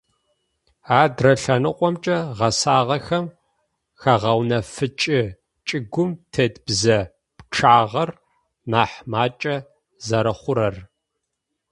Адрэ лъэныкъомкӏэ - гъэсагъэхэм хагъэунэфыкӏы чӏыгум тет бзэ пчъагъэр нахь макӏэ зэрэхъурэр.